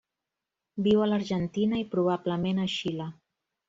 Viu a l'Argentina i probablement a Xile.